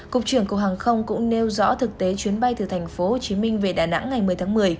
cục trưởng cục hàng không cũng nêu rõ thực tế chuyến bay từ tp hcm về đà nẵng ngày một mươi tháng một mươi